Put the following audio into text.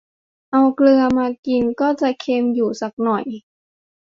เอาเกลือมากินก็จะเค็มอยู่สักหน่อย